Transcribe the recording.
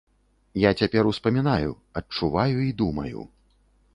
Я цяпер успамінаю, адчуваю і думаю.